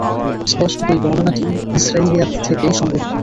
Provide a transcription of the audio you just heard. স্পষ্টতই বর্ণনাটি ইসরাঈলিয়াত থেকে সংগৃহীত।